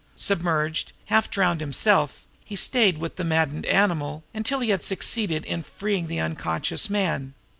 Submerged, half drowned himself, he stayed with the maddened animal until he had succeeded in freeing the unconscious man.